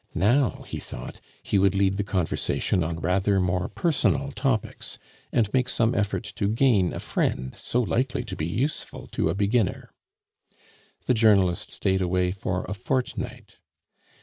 Now, he thought, he would lead the conversation on rather more personal topics, and make some effort to gain a friend so likely to be useful to a beginner. The journalist stayed away for a fortnight.